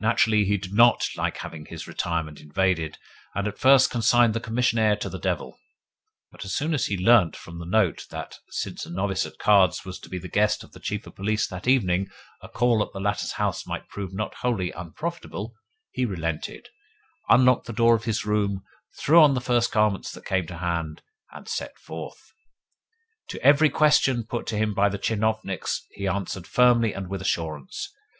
Naturally he did not like having his retirement invaded, and at first consigned the commissionaire to the devil; but as soon as he learnt from the note that, since a novice at cards was to be the guest of the Chief of Police that evening, a call at the latter's house might prove not wholly unprofitable he relented, unlocked the door of his room, threw on the first garments that came to hand, and set forth. To every question put to him by the tchinovniks he answered firmly and with assurance.